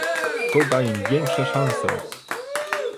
To da im większe szanse